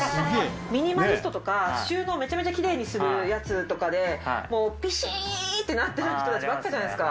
ミニマリストとか収納めちゃめちゃきれいにするやつとかでもうピシッてなってる人たちばっかじゃないですか。